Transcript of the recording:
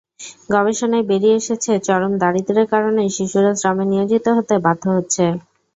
গবেষণায় বেরিয়ে এসেছে, চরম দারিদ্র্যের কারণেই শিশুরা শ্রমে নিয়োজিত হতে বাধ্য হচ্ছে।